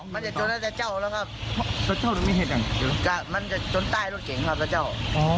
มันจะจนตั้งแต่เจ้าแล้วครับมันจะจนใต้รถเก๋งครับเจ้า